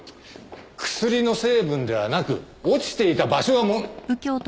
薬の成分ではなく落ちていた場所が問題。